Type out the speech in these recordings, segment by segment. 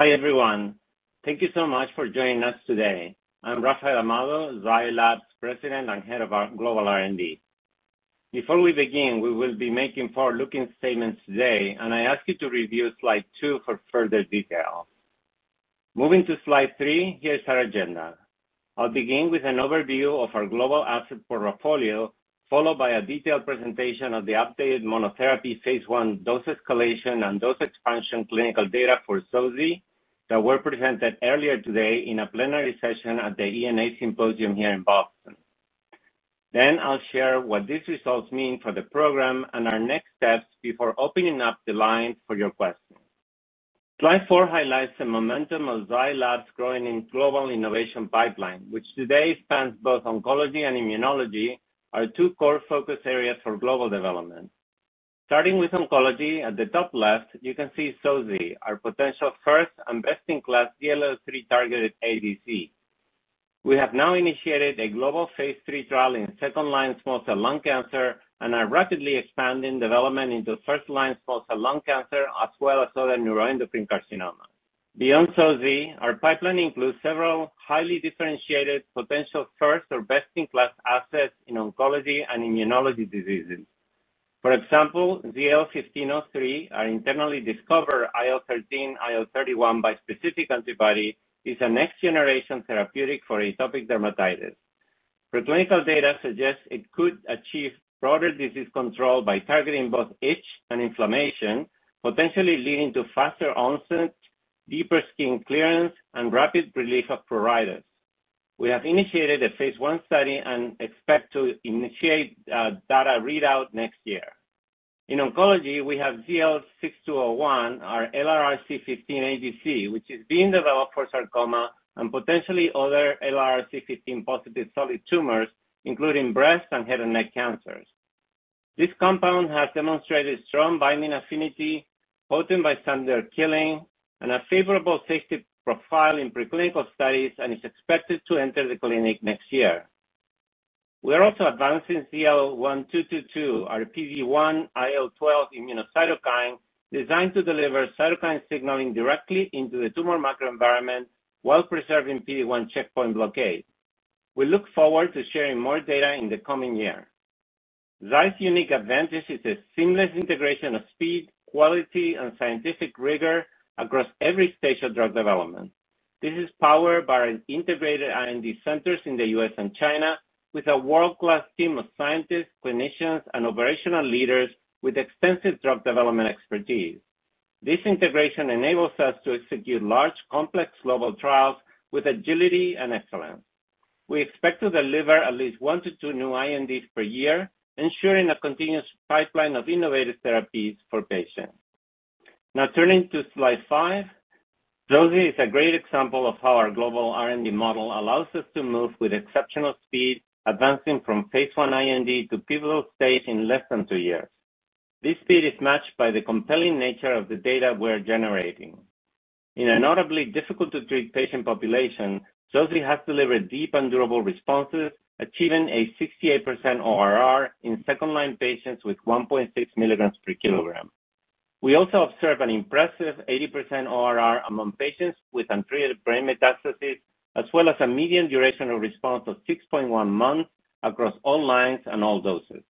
Hi everyone. Thank you so much for joining us today. I'm Rafael Amado, Zai Lab's President and Head of Global R&D. Before we begin, we will be making forward-looking statements today, and I ask you to review slide two for further detail. Moving to slide three, here's our agenda. I'll begin with an overview of our global asset portfolio, followed by a detailed presentation of the updated monotherapy phase one dose escalation and dose expansion clinical data for Zoci, that were presented earlier today in a plenary session at the ENA Symposium here in Boston. I'll share what these results mean for the program and our next steps before opening up the line for your questions. Slide four highlights the momentum of Zai Lab's growing global innovation pipeline, which today spans both oncology and immunology, our two core focus areas for global development. Starting with oncology, at the top left, you can see Zoci, our potential first and best-in-class DLL3-targeted ADC. We have now initiated a global phase three trial in second-line small cell lung cancer, and are rapidly expanding development into first-line small cell lung cancer, as well as other neuroendocrine carcinomas. Beyond Zoci, our pipeline includes several highly differentiated potential first or best-in-class assets in oncology and immunology diseases. For example, ZL-1503, our internally discovered IL-13, IL-31 bispecific antibody, is a next-generation therapeutic for atopic dermatitis. Preclinical data suggests it could achieve broader disease control by targeting both itch and inflammation, potentially leading to faster onset, deeper skin clearance, and rapid relief of pruritus. We have initiated a phase one study and expect to initiate data readout next year. In oncology, we have ZL-6201, our LRRC15 ADC, which is being developed for sarcoma and potentially other LRRC15 positive solid tumors, including breast and head and neck cancers. This compound has demonstrated strong binding affinity, potent by cellular killing, and a favorable safety profile in preclinical studies, and is expected to enter the clinic next year. We are also advancing ZL-1222, our PD-1 IL-12 immunocytokine, designed to deliver cytokine signaling directly into the tumor macroenvironment while preserving PD-1 checkpoint blockade. We look forward to sharing more data in the coming year. Zai Lab's unique advantage is its seamless integration of speed, quality, and scientific rigor across every stage of drug development. This is powered by our integrated R&D centers in the U.S. and China, with a world-class team of scientists, clinicians, and operational leaders with extensive drug development expertise. This integration enables us to execute large, complex global trials with agility and excellence. We expect to deliver at least one to two new R&Ds per year, ensuring a continuous pipeline of innovative therapies for patients. Now turning to slide five, Zoci is a great example of how our global R&D model allows us to move with exceptional speed, advancing from phase one R&D to pivotal stage in less than two years. This speed is matched by the compelling nature of the data we're generating. In a notably difficult-to-treat patient population, Zoci has delivered deep and durable responses, achieving a 68% ORR in second-line patients with 1.6 mg per kg. We also observed an impressive 80% ORR among patients with untreated brain metastases, as well as a median duration of response of 6.1 months across all lines and all doses.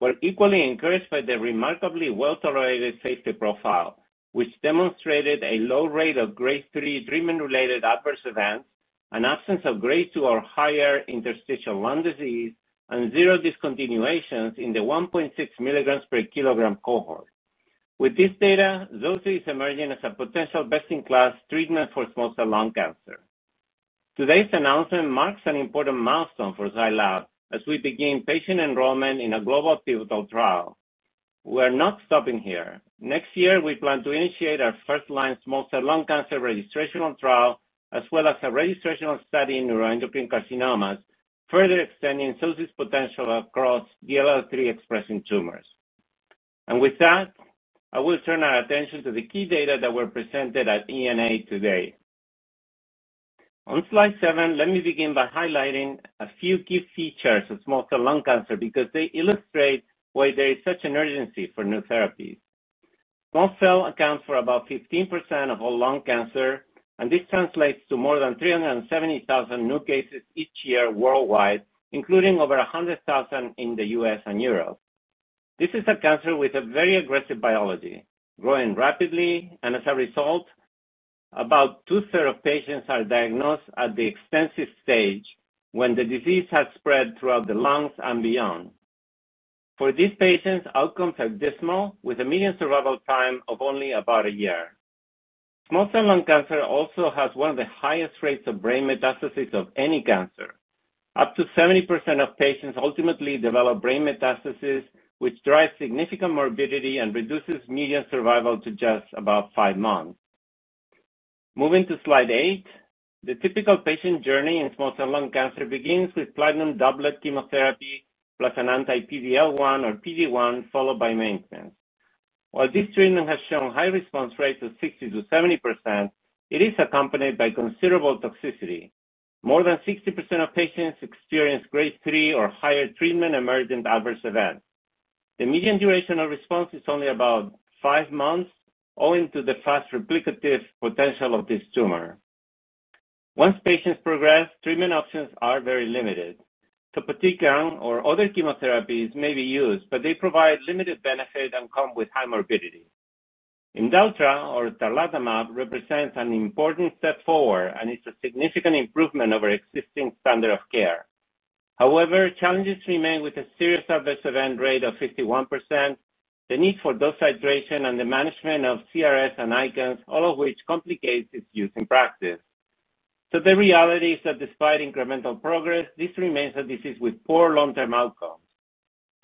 We're equally encouraged by the remarkably well-tolerated safety profile, which demonstrated a low rate of grade three treatment-related adverse events, an absence of grade two or higher interstitial lung disease, and zero discontinuations in the 1.6 mg per kg cohort. With this data, Zoci is emerging as a potential best-in-class treatment for small cell lung cancer. Today's announcement marks an important milestone for Zai Lab, as we begin patient enrollment in a global pivotal trial. We're not stopping here. Next year, we plan to initiate our first-line small cell lung cancer registration trial, as well as a registration study in neuroendocrine carcinomas, further extending Zoci's potential across DLL3-expressing tumors. With that, I will turn our attention to the key data that were presented at ENA today. On slide seven, let me begin by highlighting a few key features of small cell lung cancer because they illustrate why there is such an urgency for new therapies. Small cell accounts for about 15% of all lung cancer, and this translates to more than 370,000 new cases each year worldwide, including over 100,000 in the U.S. and Europe. This is a cancer with a very aggressive biology, growing rapidly, and as a result, about two-thirds of patients are diagnosed at the extensive stage when the disease has spread throughout the lungs and beyond. For these patients, outcomes are dismal, with a median survival time of only about a year. Small cell lung cancer also has one of the highest rates of brain metastasis of any cancer. Up to 70% of patients ultimately develop brain metastasis, which drives significant morbidity and reduces median survival to just about five months. Moving to slide eight, the typical patient journey in small cell lung cancer begins with platinum-doublet chemotherapy, plus an anti-PD-L1 or PD-1, followed by maintenance. While this treatment has shown high response rates of 60%-70%, it is accompanied by considerable toxicity. More than 60% of patients experience grade three or higher treatment emergent adverse events. The median duration of response is only about five months, owing to the fast replicative potential of this tumor. Once patients progress, treatment options are very limited. Topotecan or other chemotherapies may be used, but they provide limited benefit and come with high morbidity. IMDELLTRA, or Tarlatamab, represents an important step forward, and it's a significant improvement over existing standard of care. However, challenges remain with a serious adverse event rate of 51%, the need for dose hydration, and the management of CRS and ICANS, all of which complicate its use in practice. The reality is that despite incremental progress, this remains a disease with poor long-term outcomes.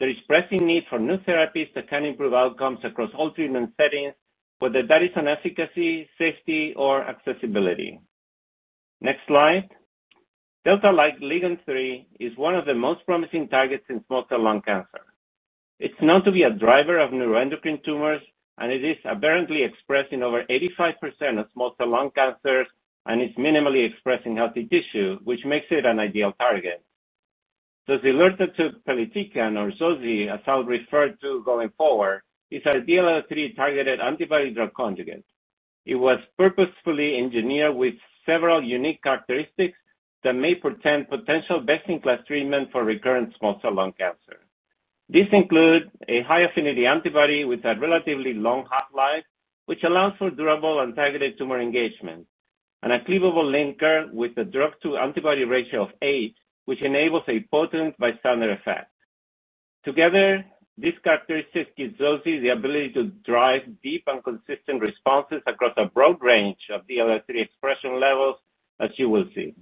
There is a pressing need for new therapies that can improve outcomes across all treatment settings, whether that is on efficacy, safety, or accessibility. Next slide. Delta-like ligand 3 is one of the most promising targets in small cell lung cancer. It's known to be a driver of neuroendocrine tumors, and it is aberrantly expressed in over 85% of small cell lung cancers, and is minimally expressed in healthy tissue, which makes it an ideal target. Zoci, as I'll refer to going forward, is a DLL3-targeted antibody-drug conjugate. It was purposefully engineered with several unique characteristics that may portend potential best-in-class treatment for recurrent small cell lung cancer. This includes a high-affinity antibody with a relatively long half-life, which allows for durable and targeted tumor engagement, and a cleavable linker with a drug-to-antibody ratio of eight, which enables a potent bystander effect. Together, these characteristics give Zoci the ability to drive deep and consistent responses across a broad range of DLL3 expression levels, as you will see.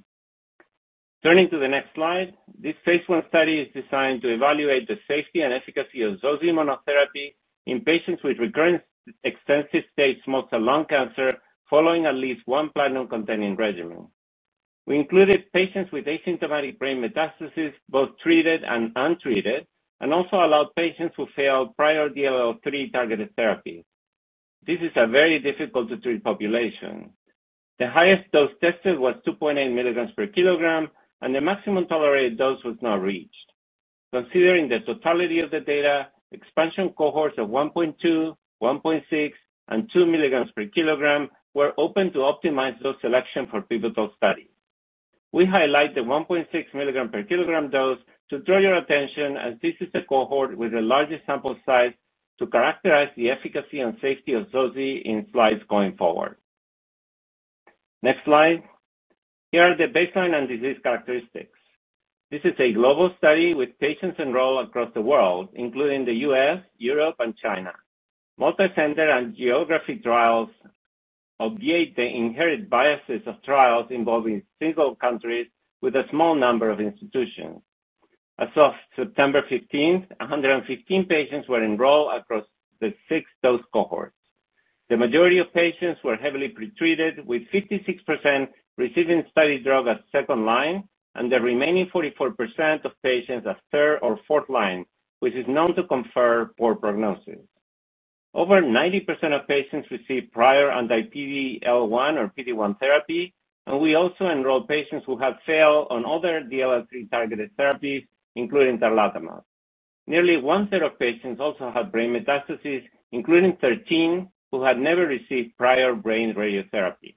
Turning to the next slide, this phase one study is designed to evaluate the safety and efficacy of Zoci monotherapy in patients with recurrent extensive stage small cell lung cancer following at least one platinum-containing regimen. We included patients with asymptomatic brain metastases, both treated and untreated, and also allowed patients who failed prior DLL3-targeted therapies. This is a very difficult-to-treat population. The highest dose tested was 2.8 mg per kg, and the maximum tolerated dose was not reached. Considering the totality of the data, expansion cohorts of 1.2 mg, 1.6 mg, and 2 mg per kg were open to optimize dose selection for pivotal studies. We highlight the 1.6 mg per kg dose to draw your attention, as this is the cohort with the largest sample size to characterize the efficacy and safety of Zoci in slides going forward. Next slide. Here are the baseline and disease characteristics. This is a global study with patients enrolled across the world, including the U.S., Europe, and China. Multi-center and geographic trials obviate the inherent biases of trials involving single countries with a small number of institutions. As of September 15, 115 patients were enrolled across the six dose cohorts. The majority of patients were heavily pretreated, with 56% receiving study drug at second line, and the remaining 44% of patients at third or fourth line, which is known to confer poor prognosis. Over 90% of patients received prior anti-PD-L1 or PD-1 therapy, and we also enrolled patients who had failed on other DLL3-targeted therapies, including Tarlatamab. Nearly 1/3 of patients also had brain metastases, including 13 who had never received prior brain radiotherapy.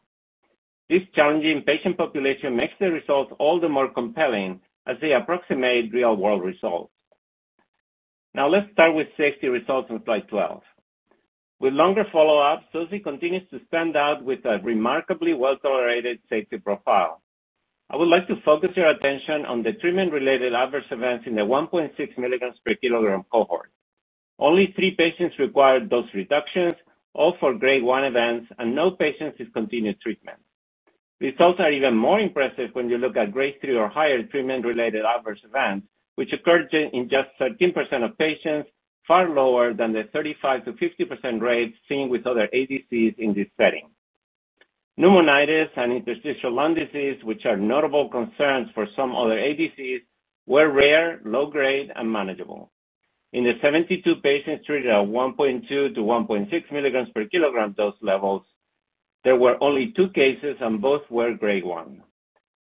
This challenging patient population makes the results all the more compelling, as they approximate real-world results. Now let's start with safety results on slide 12. With longer follow-ups, Zoci continues to stand out with a remarkably well-tolerated safety profile. I would like to focus your attention on the treatment-related adverse events in the 1.6 mg per kg cohort. Only three patients required dose reductions, all for grade one events, and no patients discontinued treatment. Results are even more impressive when you look at grade three or higher treatment-related adverse events, which occurred in just 13% of patients, far lower than the 35%-50% rate seen with other ADCs in this setting. Pneumonitis and interstitial lung disease, which are notable concerns for some other ADCs, were rare, low-grade, and manageable. In the 72 patients treated at 1.2 mg-1.6 mg per kg dose levels, there were only two cases, and both were grade one.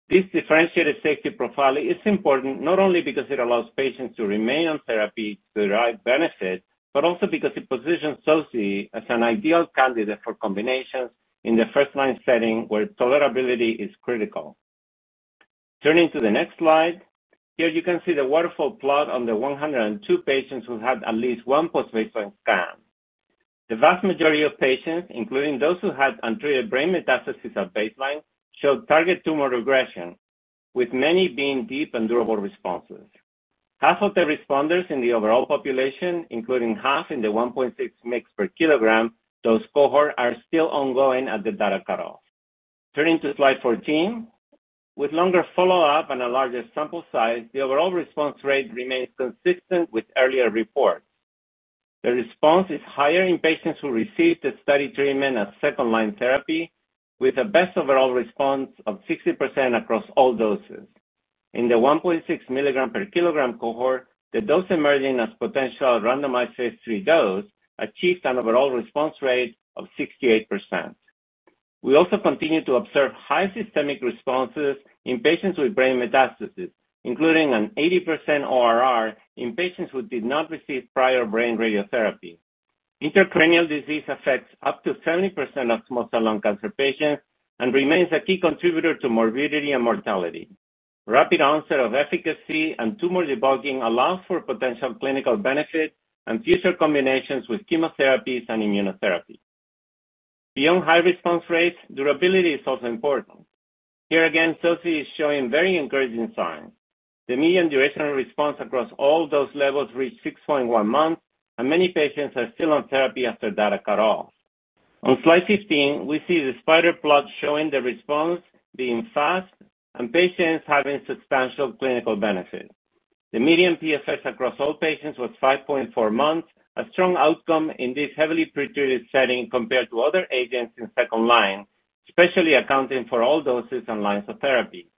This differentiated safety profile is important not only because it allows patients to remain on therapy to derive benefit, but also because it positions Zoci as an ideal candidate for combinations in the first-line setting where tolerability is critical. Turning to the next slide. Here you can see the waterfall plot on the 102 patients who had at least one post-baseline scan. The vast majority of patients, including those who had untreated brain metastases at baseline, showed target tumor regression, with many being deep and durable responses. Half of the responders in the overall population, including half in the 1.6 mg per kg dose cohort, are still ongoing at the data cutoff. Turning to slide 14. With longer follow-up and a larger sample size, the overall response rate remains consistent with earlier reports. The response is higher in patients who received the study treatment as second-line therapy, with a best overall response of 60% across all doses. In the 1.6 mg per kg cohort, the dose emerging as potential randomized phase III dose achieved an overall response rate of 68%. We also continue to observe high systemic responses in patients with brain metastases, including an 80% ORR in patients who did not receive prior brain radiotherapy. Intracranial disease affects up to 70% of small cell lung cancer patients and remains a key contributor to morbidity and mortality. Rapid onset of efficacy and tumor debulking allows for potential clinical benefit and future combinations with chemotherapies and immunotherapy. Beyond high response rates, durability is also important. Here again, Zoci is showing very encouraging signs. The median duration of response across all dose levels reached 6.1 months, and many patients are still on therapy after data cutoff. On slide 15, we see the spider plot showing the response being fast and patients having substantial clinical benefit. The median PFS across all patients was 5.4 months, a strong outcome in this heavily pretreated setting compared to other agents in second line, especially accounting for all doses and lines of therapy.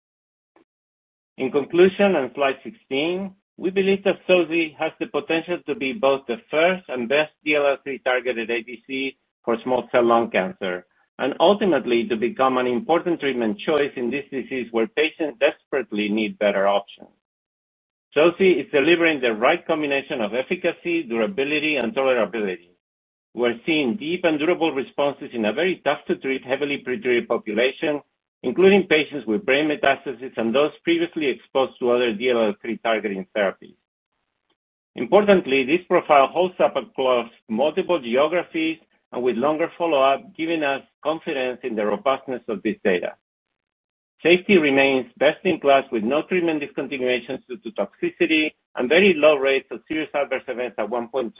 In conclusion, on slide 16, we believe that Zoci has the potential to be both the first and best DLL3-targeted ADC for small cell lung cancer, and ultimately to become an important treatment choice in this disease where patients desperately need better options. Zoci is delivering the right combination of efficacy, durability, and tolerability. We're seeing deep and durable responses in a very tough-to-treat, heavily pretreated population, including patients with brain metastases and those previously exposed to other DLL3-targeting therapies. Importantly, this profile holds up across multiple geographies and with longer follow-up, giving us confidence in the robustness of this data. Safety remains best in class with no treatment discontinuations due to toxicity and very low rates of serious adverse events at 1.2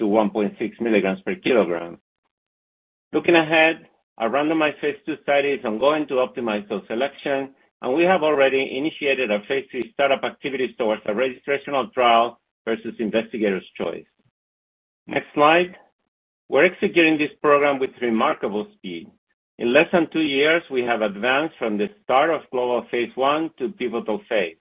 mg-1.6 mg per kg. Looking ahead, a randomized phase two study is ongoing to optimize dose selection, and we have already initiated a phase three startup activity towards a registration trial versus investigator's choice. Next slide. We're executing this program with remarkable speed. In less than two years, we have advanced from the start of global phase one to pivotal phase.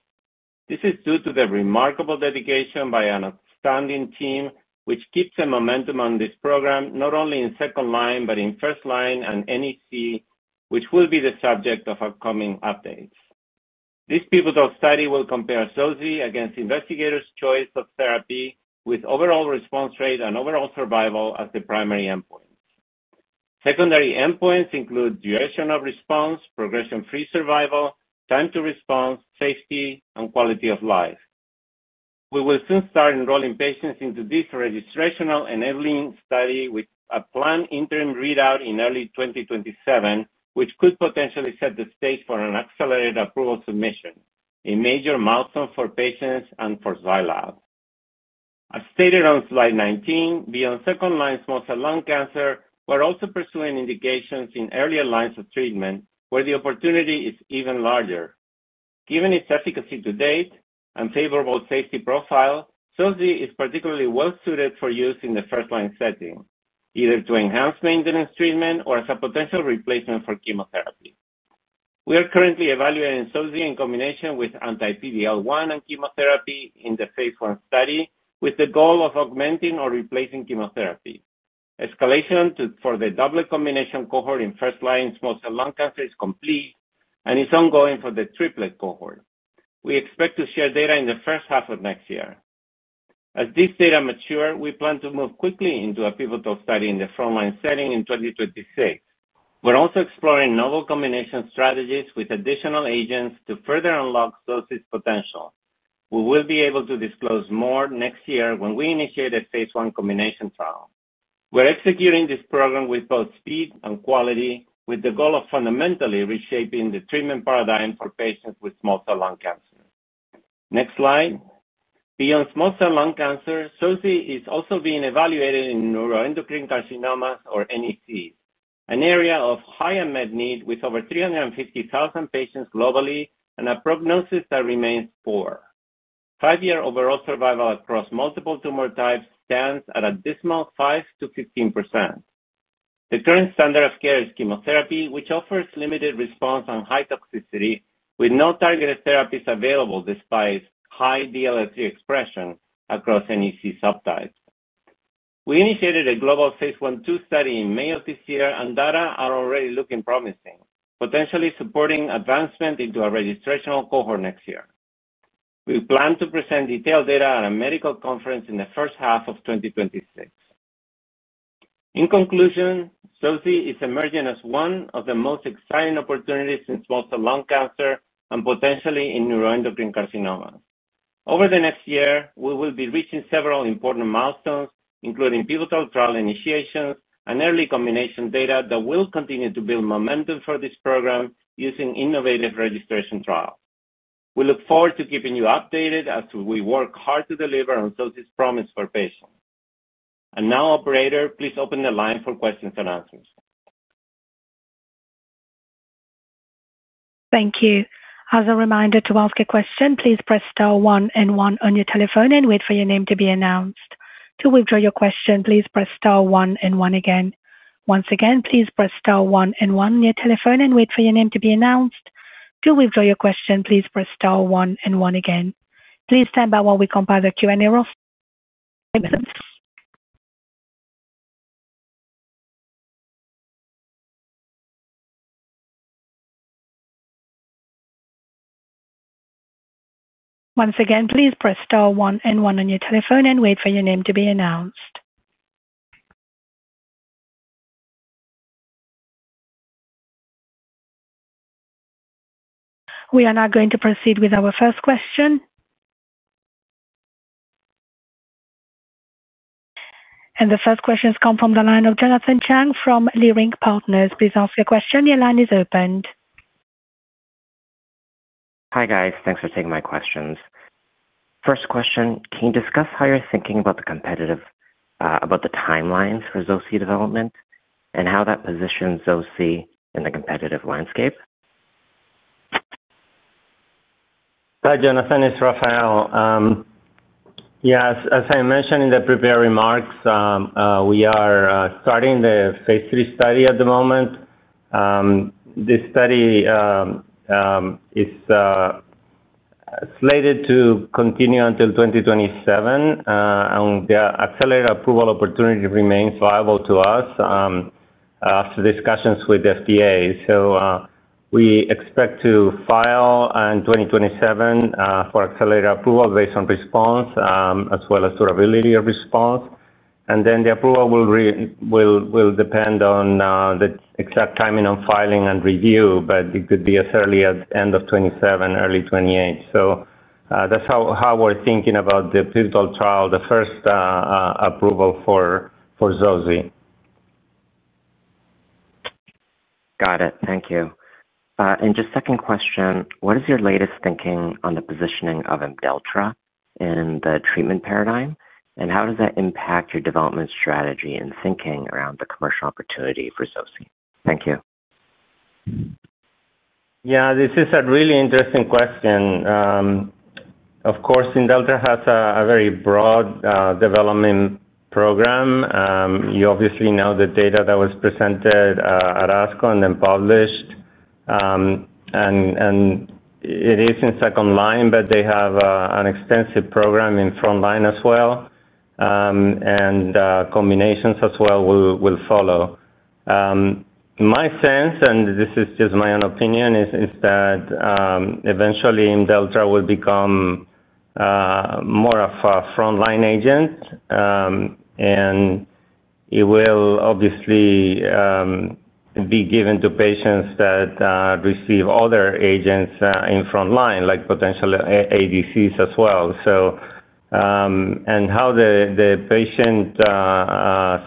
This is due to the remarkable dedication by an outstanding team, which keeps the momentum on this program, not only in second line, but in first line and NEC, which will be the subject of upcoming updates. This pivotal study will compare Zoci against investigator's choice of therapy, with overall response rate and overall survival as the primary endpoints. Secondary endpoints include duration of response, progression-free survival, time to response, safety, and quality of life. We will soon start enrolling patients into this registrational enabling study with a planned interim readout in early 2027, which could potentially set the stage for an accelerated approval submission, a major milestone for patients and for Zai Lab. As stated on slide 19, beyond second-line small cell lung cancer, we're also pursuing indications in earlier lines of treatment where the opportunity is even larger. Given its efficacy to date and favorable safety profile, Zoci is particularly well-suited for use in the first-line setting, either to enhance maintenance treatment or as a potential replacement for chemotherapy. We are currently evaluating Zoci in combination with anti-PD-L1 and chemotherapy in the phase one study, with the goal of augmenting or replacing chemotherapy. Escalation for the doublet combination cohort in first-line small cell lung cancer is complete, and it's ongoing for the triplet cohort. We expect to share data in the first half of next year. As this data matures, we plan to move quickly into a pivotal study in the front-line setting in 2026. We're also exploring novel combination strategies with additional agents to further unlock Zoci's potential. We will be able to disclose more next year when we initiate a phase one combination trial. We're executing this program with both speed and quality, with the goal of fundamentally reshaping the treatment paradigm for patients with small cell lung cancer. Next slide. Beyond small cell lung cancer, Zoci is also being evaluated in neuroendocrine carcinomas, or NECs, an area of high unmet need with over 350,000 patients globally and a prognosis that remains poor. Five-year overall survival across multiple tumor types stands at a dismal 5%-15%. The current standard of care is chemotherapy, which offers limited response and high toxicity, with no targeted therapies available despite high DLL3 expression across NEC subtypes. We initiated a global phase I-II study in May of this year, and data are already looking promising, potentially supporting advancement into a registrational cohort next year. We plan to present detailed data at a medical conference in the first half of 2026. In conclusion, Zoci is emerging as one of the most exciting opportunities in small cell lung cancer and potentially in neuroendocrine carcinomas. Over the next year, we will be reaching several important milestones, including pivotal trial initiations and early combination data that will continue to build momentum for this program using innovative registration trials. We look forward to keeping you updated as we work hard to deliver on Zoci's promise for patients. Now, operator, please open the line for questions and answers. Thank you. As a reminder, to ask a question, please press star one and one on your telephone and wait for your name to be announced. To withdraw your question, please press star one and one again. Once again, please press star one and one on your telephone and wait for your name to be announced. To withdraw your question, please press star one and one again. Please stand by while we compile the Q&A results. Once again, please press star one and one on your telephone and wait for your name to be announced. We are now going to proceed with our first question. The first question has come from the line of Jonathan Chang from Leerink Partners. Please ask your question. Your line is opened. Hi guys. Thanks for taking my questions. First question, can you discuss how you're thinking about the timelines for Zoci development and how that positions Zoci in the competitive landscape? Hi, Jonathan. It's Rafael. As I mentioned in the prepared remarks, we are starting the phase three study at the moment. This study is slated to continue until 2027. The accelerated approval opportunity remains viable to us after discussions with the FDA. We expect to file in 2027 for accelerated approval based on response, as well as durability of response. The approval will depend on the exact timing on filing and review, but it could be as early as the end of 2027, early 2028. That's how we're thinking about the pivotal trial, the first approval for Zoci. Got it. Thank you. Just second question, what is your latest thinking on the positioning of IMDELLTRA in the treatment paradigm, and how does that impact your development strategy and thinking around the commercial opportunity for Zoci? Thank you. Yeah, this is a really interesting question. Of course, IMDELLTRA has a very broad development program. You obviously know the data that was presented at ASCO and then published. It is in second line, but they have an extensive program in front line as well, and combinations as well will follow. My sense, and this is just my own opinion, is that eventually IMDELLTRA will become more of a front-line agent. It will obviously be given to patients that receive other agents in front line, like potential ADCs as well. How the patient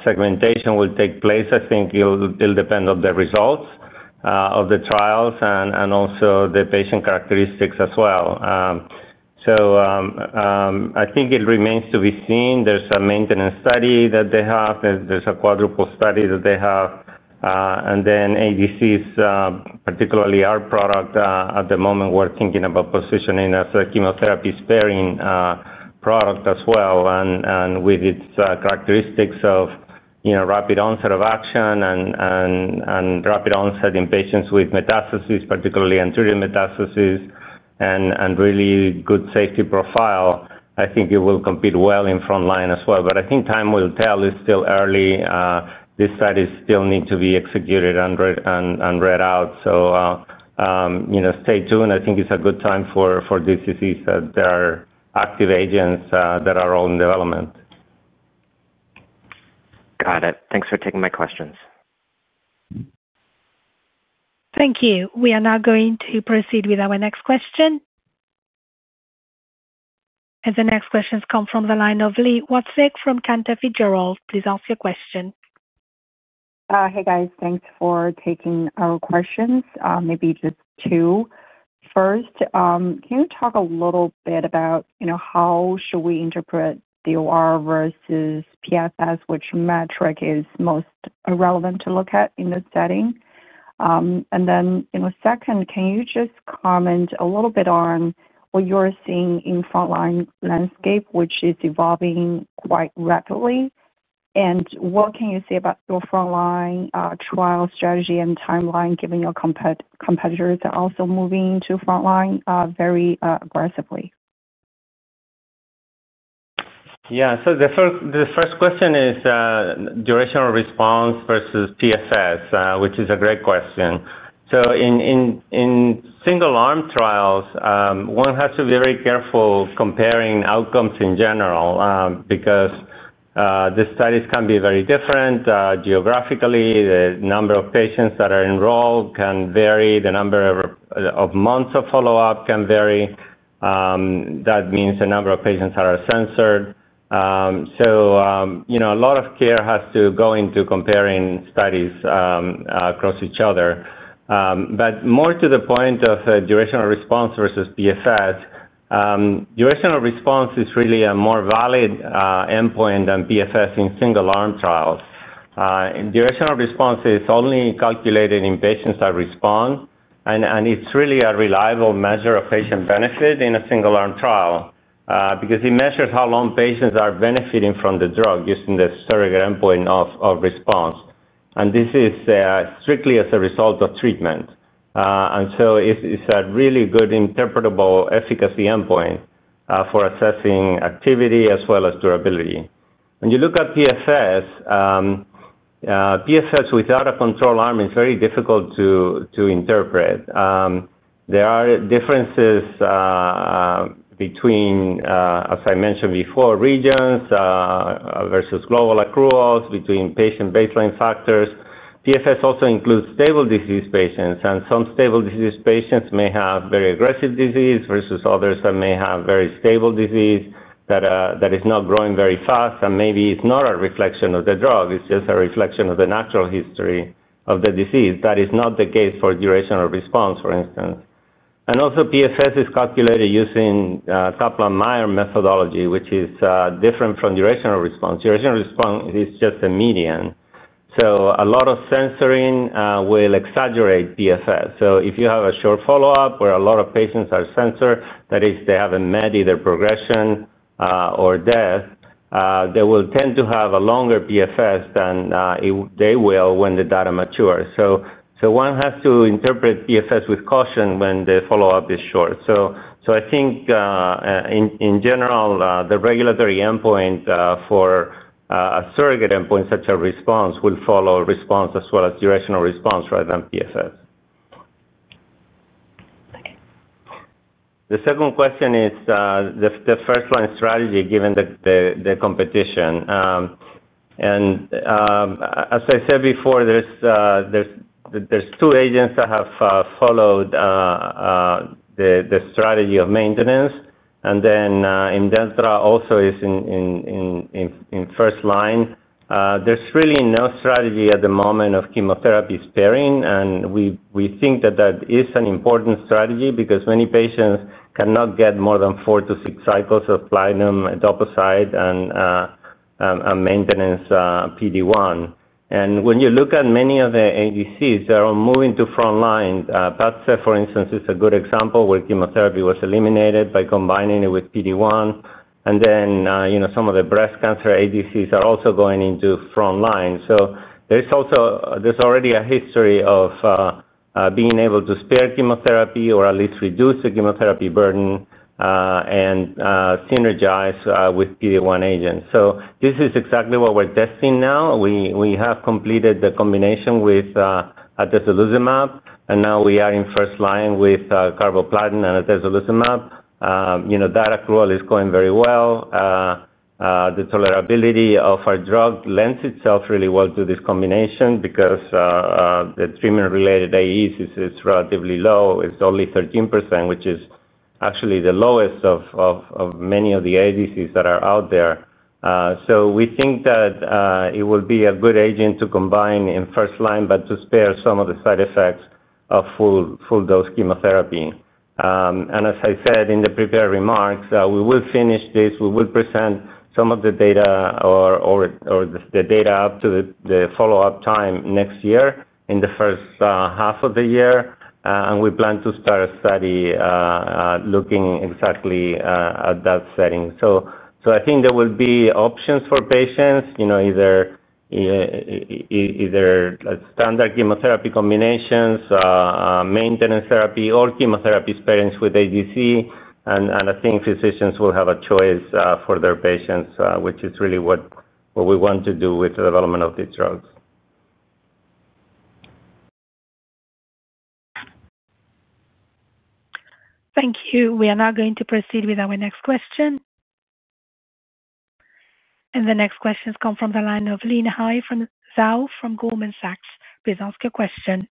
segmentation will take place, I think it'll depend on the results of the trials and also the patient characteristics as well. I think it remains to be seen. There's a maintenance study that they have. There's a quadruple study that they have. ADCs, particularly our product, at the moment, we're thinking about positioning as a chemotherapy-sparing product as well. With its characteristics of rapid onset of action and rapid onset in patients with metastases, particularly untreated metastases, and really good safety profile, I think it will compete well in front line as well. I think time will tell. It's still early. This study still needs to be executed and read out. Stay tuned. I think it's a good time for this disease that there are active agents that are all in development. Got it. Thanks for taking my questions. Thank you. We are now going to proceed with our next question. The next question has come from the line of Li Watsek from Cantor Fitzgerald. Please ask your question. Hey guys, thanks for taking our questions. Maybe just two. First, can you talk a little bit about, you know, how should we interpret DOR versus PFS, which metric is most relevant to look at in this setting? Then, you know, second, can you just comment a little bit on what you're seeing in the front line landscape, which is evolving quite rapidly? What can you say about your front line trial strategy and timeline, given your competitors are also moving to front line very aggressively? Yeah. The first question is duration of response versus PFS, which is a great question. In single arm trials, one has to be very careful comparing outcomes in general, because the studies can be very different geographically. The number of patients that are enrolled can vary. The number of months of follow-up can vary. That means the number of patients that are censored. A lot of care has to go into comparing studies across each other. More to the point of duration of response versus PFS, duration of response is really a more valid endpoint than PFS in single arm trials. Duration of response is only calculated in patients that respond, and it's really a reliable measure of patient benefit in a single arm trial, because it measures how long patients are benefiting from the drug using the surrogate endpoint of response. This is strictly as a result of treatment. It's a really good interpretable efficacy endpoint for assessing activity as well as durability. When you look at PFS, PFS without a control arm is very difficult to interpret. There are differences between, as I mentioned before, regions versus global accruals, between patient baseline factors. PFS also includes stable disease patients, and some stable disease patients may have very aggressive disease versus others that may have very stable disease that is not growing very fast, and maybe it's not a reflection of the drug. It's just a reflection of the natural history of the disease. That is not the case for duration of response, for instance. Also, PFS is calculated using Kaplan-Meier methodology, which is different from duration of response. Duration of response is just a median. A lot of censoring will exaggerate PFS. If you have a short follow-up where a lot of patients are censored, that is, they haven't met either progression or death, they will tend to have a longer PFS than they will when the data matures. One has to interpret PFS with caution when the follow-up is short. In general, the regulatory endpoint for a surrogate endpoint such as response will follow response as well as duration of response rather than PFS. The second question is the first-line strategy, given the competition. As I said before, there are two agents that have followed the strategy of maintenance, and then IMDELLTRA also is in first line. There's really no strategy at the moment of chemotherapy sparing, and we think that that is an important strategy, because many patients cannot get more than four to six cycles of platinum, etoposide, and maintenance PD1. When you look at many of the ADCs, they're all moving to front line. PET/CIF, for instance, is a good example where chemotherapy was eliminated by combining it with PD1. Some of the breast cancer ADCs are also going into front line. There is also already a history of being able to spare chemotherapy, or at least reduce the chemotherapy burden, and synergize with PD1 agents. This is exactly what we're testing now. We have completed the combination with Atezolizumab, and now we are in first line with Carboplatin and Atezolizumab. Data accrual is going very well. The tolerability of our drug lends itself really well to this combination, because the treatment-related AEs is relatively low. It's only 13%, which is actually the lowest of many of the ADCs that are out there. We think that it will be a good agent to combine in first line, but to spare some of the side effects of full-dose chemotherapy. As I said in the prepared remarks, we will finish this. We will present some of the data or the data up to the follow-up time next year in the first half of the year, and we plan to start a study looking exactly at that setting. I think there will be options for patients, either standard chemotherapy combinations, maintenance therapy, or chemotherapy sparing with ADC. I think physicians will have a choice for their patients, which is really what we want to do with the development of these drugs. Thank you. We are now going to proceed with our next question. The next question has come from the line of Linhai Zhao from Goldman Sachs. Please ask your question.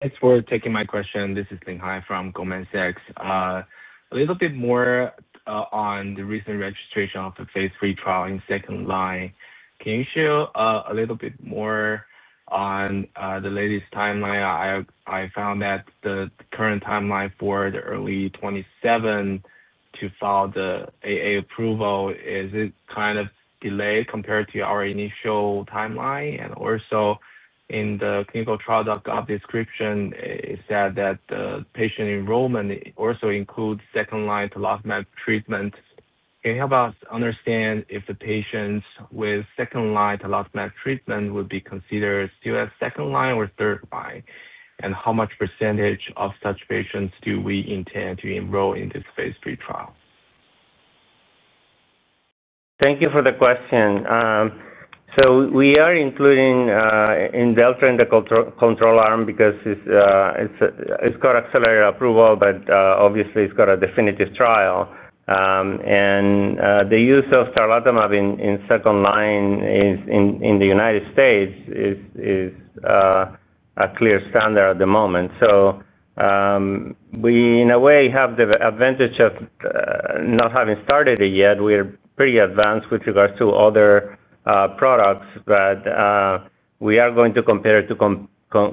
Thanks for taking my question. This is Linhai from Goldman Sachs. A little bit more on the recent registration of the phase three trial in second line. Can you share a little bit more on the latest timeline? I found that the current timeline for the early 2027 to file the AA approval is kind of delayed compared to our initial timeline. Also, in the clinicaltrials.gov description, it said that the patient enrollment also includes second-line tobacco treatment. Can you help us understand if the patients with second-line tobacco treatment would be considered still as second line or third line? How much % of such patients do we intend to enroll in this phase three trial? Thank you for the question. We are including IMDELLTRA in the control arm because it's got accelerated approval, but obviously, it's got a definitive trial. The use of Tarlatamab in second line in the U.S. is a clear standard at the moment. We, in a way, have the advantage of not having started it yet. We're pretty advanced with regards to other products, but we are going to compare it to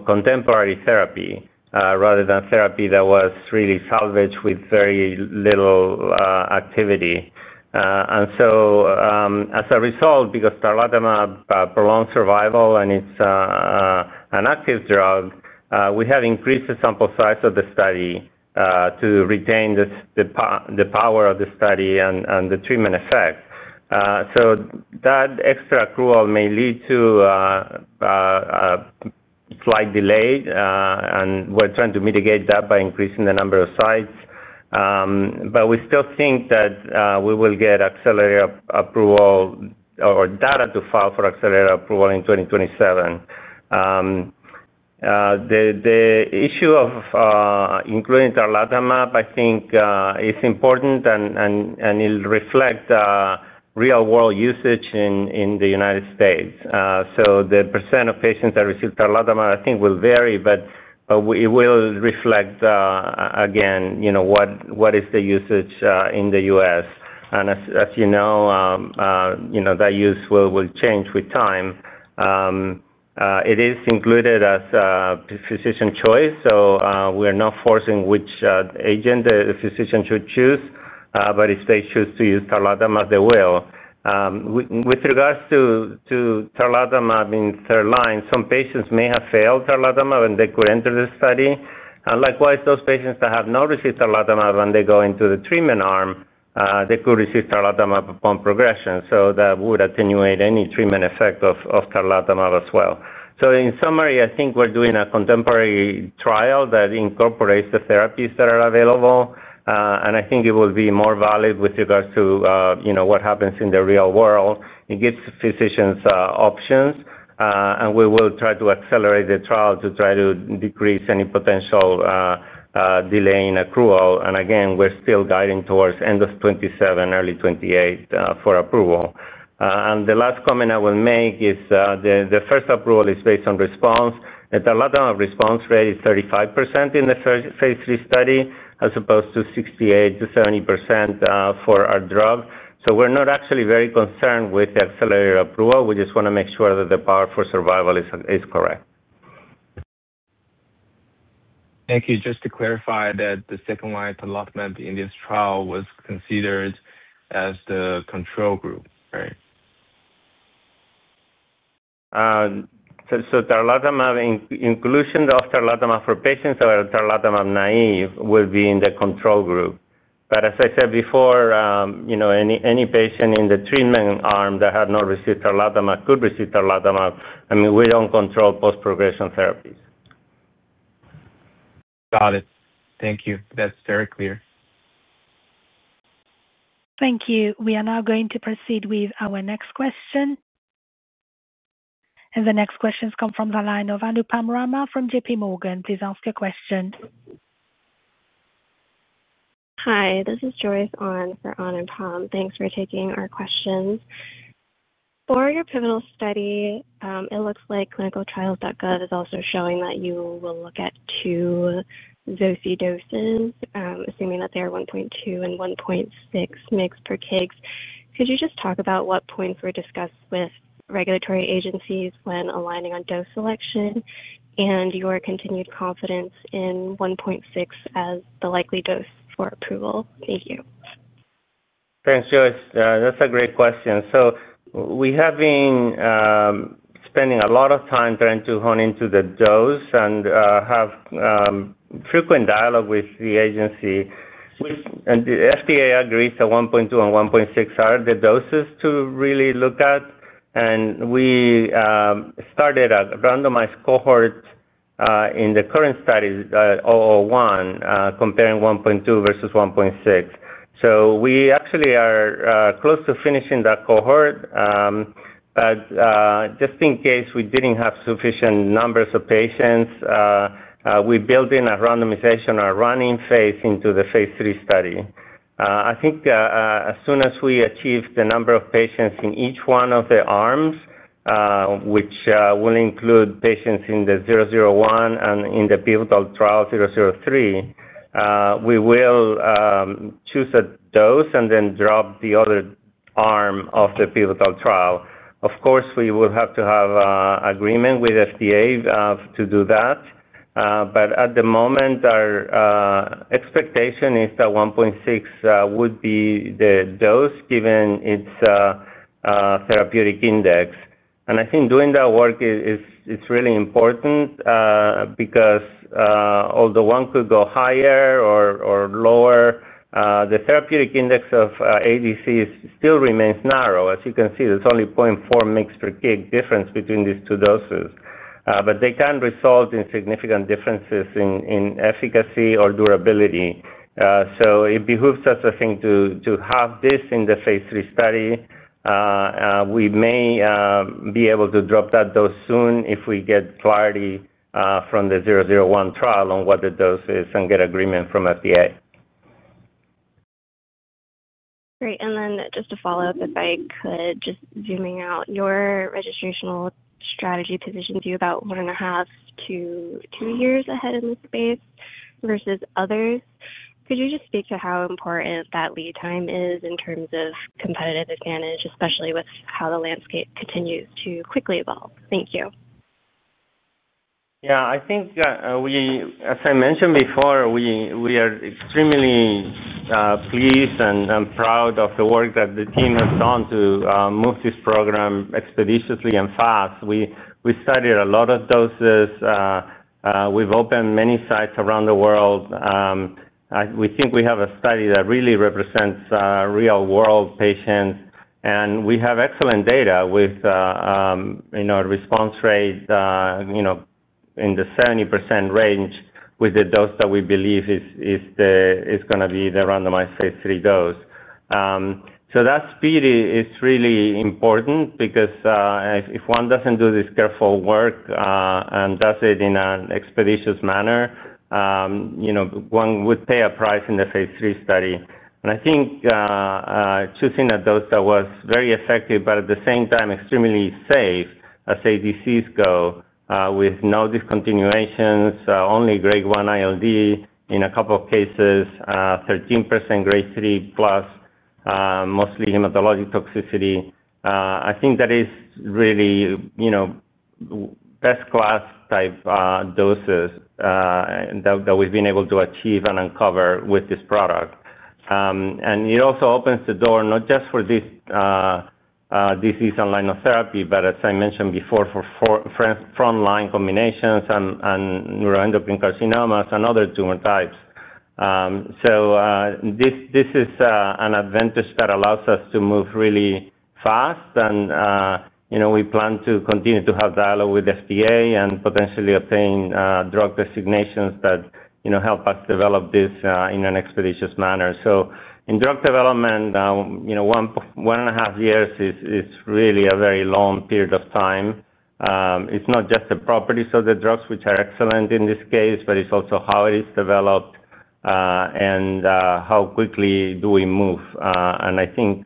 contemporary therapy, rather than therapy that was really salvaged with very little activity. As a result, because Tarlatamab prolongs survival and it's an active drug, we have increased the sample size of the study to retain the power of the study and the treatment effect. That extra accrual may lead to slight delay, and we're trying to mitigate that by increasing the number of sites. We still think that we will get accelerated approval or data to file for accelerated approval in 2027. The issue of including Tarlatamab, I think, is important, and it'll reflect real-world usage in the U.S. The % of patients that receive Tarlatamab, I think, will vary, but it will reflect, again, what is the usage in the U.S. As you know, that use will change with time. It is included as a physician choice, so we are not forcing which agent the physician should choose, but if they choose to use Tarlatamab, they will. With regards to Tarlatamab in third line, some patients may have failed Tarlatamab, and they could enter the study. Likewise, those patients that have not received Tarlatamab when they go into the treatment arm, they could receive Tarlatamab upon progression. That would attenuate any treatment effect of Tarlatamab as well. In summary, I think we're doing a contemporary trial that incorporates the therapies that are available, and I think it will be more valid with regards to what happens in the real world. It gives physicians options, and we will try to accelerate the trial to try to decrease any potential delay in accrual. Again, we're still guiding towards end of 2027, early 2028 for approval. The last comment I will make is the first approval is based on response. The Tarlatamab response rate is 35% in the first phase three study, as opposed to 68%-70% for our drug. We're not actually very concerned with the accelerated approval. We just want to make sure that the power for survival is correct. Thank you. Just to clarify, the second-line Tarlatamab in this trial was considered as the control group, right? Tarlatamab inclusion of Tarlatamab for patients that are Tarlatamab naive will be in the control group. As I said before, any patient in the treatment arm that had not received Tarlatamab could receive Tarlatamab. I mean, we don't control post-progression therapies. Got it. Thank you. That's very clear. Thank you. We are now going to proceed with our next question. The next question has come from the line of Anupam Rama from JPMorgan. Please ask your question. Hi. This is Joyce on for Anupam. Thanks for taking our questions. For your pivotal study, it looks like clinicaltrials.gov is also showing that you will look at two Zoci doses, assuming that they are 1.2 and 1.6 mg per kg. Could you just talk about what points were discussed with regulatory agencies when aligning on dose selection and your continued confidence in 1.6 as the likely dose for approval? Thank you. Thanks, Joyce. That's a great question. We have been spending a lot of time trying to hone into the dose and have frequent dialogue with the agency. The FDA agrees that 1.2 and 1.6 are the doses to really look at. We started a randomized cohort in the current study, 001, comparing 1.2 versus 1.6. We actually are close to finishing that cohort. Just in case we didn't have sufficient numbers of patients, we built in a randomization or a running phase into the phase three study. I think as soon as we achieve the number of patients in each one of the arms, which will include patients in the 001 and in the pivotal trial 003, we will choose a dose and then drop the other arm of the pivotal trial. Of course, we will have to have agreement with FDA to do that. At the moment, our expectation is that 1.6 would be the dose, given its therapeutic index. I think doing that work is really important, because although one could go higher or lower, the therapeutic index of ADCs still remains narrow. As you can see, there's only 0.4 mg/kg difference between these two doses, but they can result in significant differences in efficacy or durability. It behooves us, I think, to have this in the phase three study. We may be able to drop that dose soon if we get clarity from the 001 trial on what the dose is and get agreement from FDA. Great. Just to follow up, if I could, just zooming out, your registrational strategy positions you about one and a half to two years ahead in this space versus others. Could you just speak to how important that lead time is in terms of competitive advantage, especially with how the landscape continues to quickly evolve? Thank you. Yeah. I think we, as I mentioned before, we are extremely pleased and proud of the work that the team has done to move this program expeditiously and fast. We studied a lot of doses. We've opened many sites around the world. We think we have a study that really represents real-world patients, and we have excellent data with a response rate in the 70% range with the dose that we believe is going to be the randomized phase three dose. That speed is really important because if one doesn't do this careful work and does it in an expeditious manner, you know, one would pay a price in the phase three study. I think choosing a dose that was very effective, but at the same time extremely safe as ADCs go, with no discontinuations, only grade one ILD in a couple of cases, 13% grade three plus, mostly hematologic toxicity, I think that is really, you know, best-class type doses that we've been able to achieve and uncover with this product. It also opens the door not just for this disease and line of therapy, but as I mentioned before, for front line combinations and neuroendocrine carcinomas and other tumor types. This is an advantage that allows us to move really fast, and we plan to continue to have dialogue with FDA and potentially obtain drug designations that help us develop this in an expeditious manner. In drug development, one and a half years is really a very long period of time. It's not just the properties of the drugs, which are excellent in this case, but it's also how it is developed and how quickly do we move. I think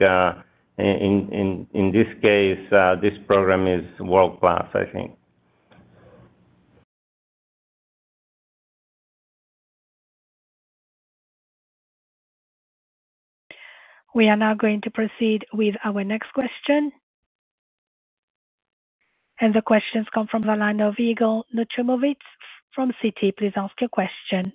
in this case, this program is world-class, I think. We are now going to proceed with our next question. The question has come from the line of Yigal Nochomovitz from Citi. Please ask your question.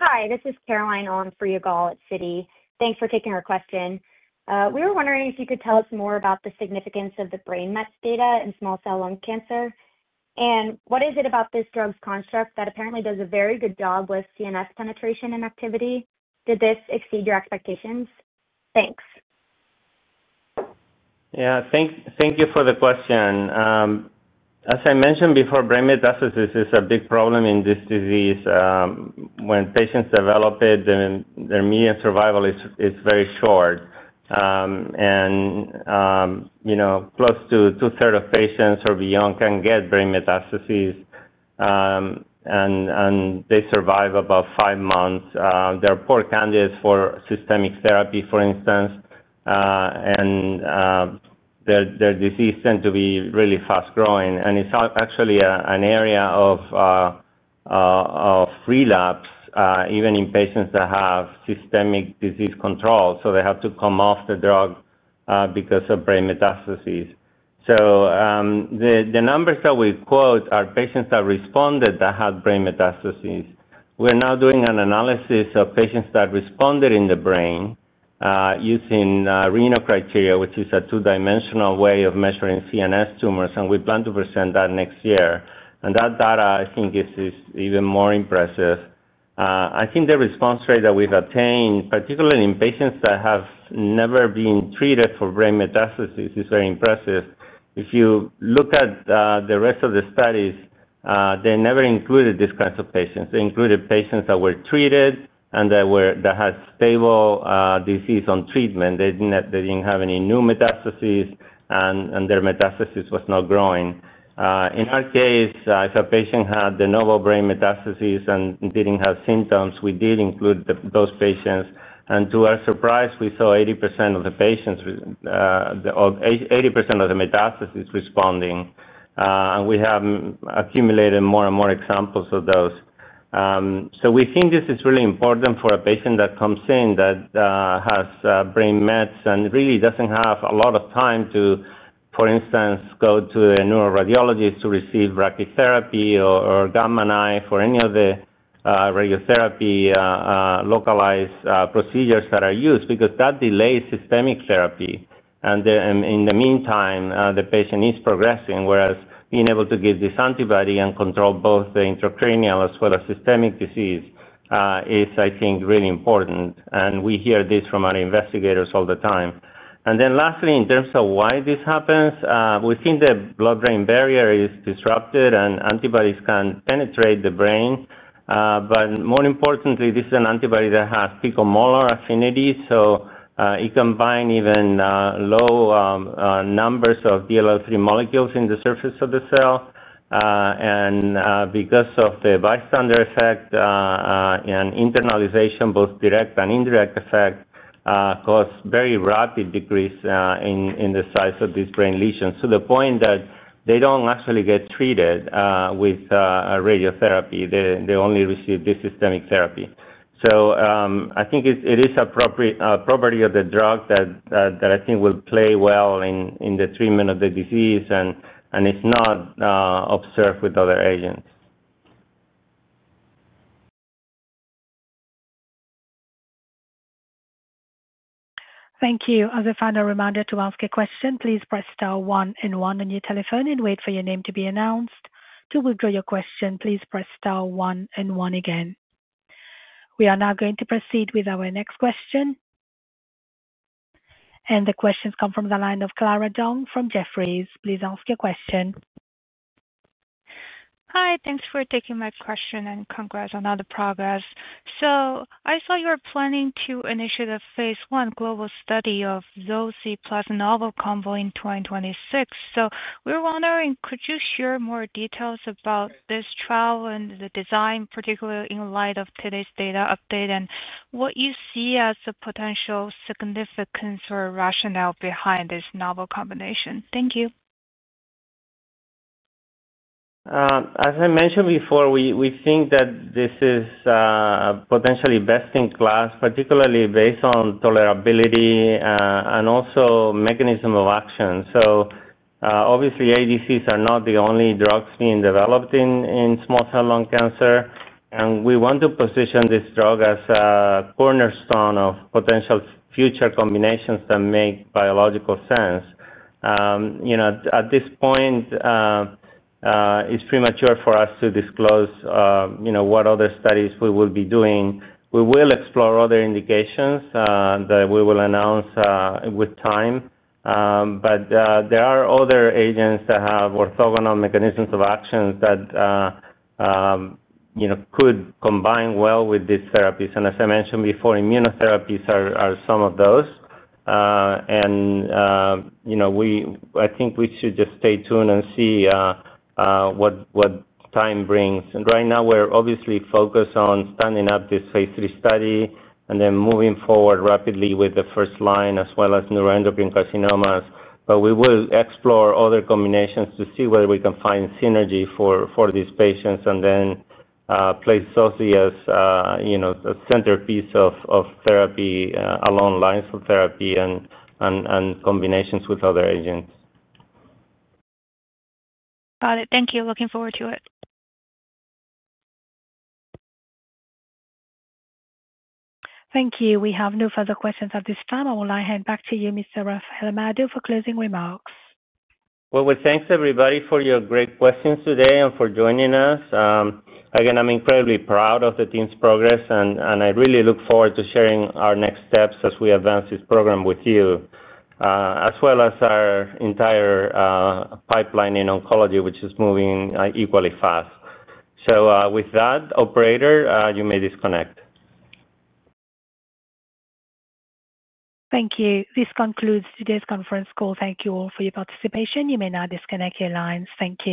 Hi. This is Caroline Ong for Yigal at Citi. Thanks for taking our question. We were wondering if you could tell us more about the significance of the brain METS data in small cell lung cancer. What is it about this drug's construct that apparently does a very good job with CNS penetration and activity? Did this exceed your expectations? Thanks. Yeah. Thank you for the question. As I mentioned before, brain metastasis is a big problem in this disease. When patients develop it, their median survival is very short. Close to 2/3 of patients or beyond can get brain metastasis, and they survive about five months. They're poor candidates for systemic therapy, for instance, and their disease tends to be really fast growing. It's actually an area of relapse, even in patients that have systemic disease control, so they have to come off the drug because of brain metastasis. The numbers that we quote are patients that responded that had brain metastasis. We're now doing an analysis of patients that responded in the brain using RANO criteria, which is a two-dimensional way of measuring CNS tumors, and we plan to present that next year. That data, I think, is even more impressive. I think the response rate that we've attained, particularly in patients that have never been treated for brain metastasis, is very impressive. If you look at the rest of the studies, they never included this kind of patients. They included patients that were treated and that had stable disease on treatment. They didn't have any new metastasis, and their metastasis was not growing. In our case, if a patient had the novel brain metastasis and didn't have symptoms, we did include those patients. To our surprise, we saw 80% of the patients, 80% of the metastasis responding, and we have accumulated more and more examples of those. We think this is really important for a patient that comes in that has brain METS and really doesn't have a lot of time to, for instance, go to a neuroradiologist to receive brachytherapy or gamma knife or any of the radiotherapy localized procedures that are used, because that delays systemic therapy. In the meantime, the patient is progressing, whereas being able to give this antibody and control both the intracranial as well as systemic disease is, I think, really important. We hear this from our investigators all the time. Lastly, in terms of why this happens, we think the blood-brain barrier is disrupted, and antibodies can penetrate the brain. More importantly, this is an antibody that has picomolar affinity, so it can bind even low numbers of DLL3 molecules in the surface of the cell. Because of the bystander effect and internalization, both direct and indirect effect cause very rapid decrease in the size of these brain lesions, to the point that they don't actually get treated with radiotherapy. They only receive this systemic therapy. I think it is a property of the drug that I think will play well in the treatment of the disease, and it's not observed with other agents. Thank you. As a final reminder, to ask a question, please press star one and one on your telephone and wait for your name to be announced. To withdraw your question, please press star one and one again. We are now going to proceed with our next question. The question has come from the line of Clara Dong from Jefferies. Please ask your question. Hi. Thanks for taking my question and congrats on all the progress. I saw you're planning to initiate a phase one global study of Zoci plus novel combo in 2026. We're wondering, could you share more details about this trial and the design, particularly in light of today's data update and what you see as the potential significance or rationale behind this novel combination? Thank you. As I mentioned before, we think that this is potentially best in class, particularly based on tolerability and also mechanism of action. Obviously, ADCs are not the only drugs being developed in small cell lung cancer, and we want to position this drug as a cornerstone of potential future combinations that make biological sense. At this point, it's premature for us to disclose what other studies we will be doing. We will explore other indications that we will announce with time. There are other agents that have orthogonal mechanisms of action that could combine well with these therapies. As I mentioned before, immunotherapies are some of those. I think we should just stay tuned and see what time brings. Right now, we're obviously focused on standing up this phase three study and then moving forward rapidly with the first line as well as neuroendocrine carcinomas. We will explore other combinations to see whether we can find synergy for these patients and then place Zoci as a centerpiece of therapy along lines of therapy and combinations with other agents. Got it. Thank you. Looking forward to it. Thank you. We have no further questions at this time. I will now hand back to you, Mr. Rafael Amado, for closing remarks. Thank you everybody for your great questions today and for joining us. I'm incredibly proud of the team's progress, and I really look forward to sharing our next steps as we advance this program with you, as well as our entire pipeline in oncology, which is moving equally fast. With that, operator, you may disconnect. Thank you. This concludes today's conference call. Thank you all for your participation. You may now disconnect your lines. Thank you.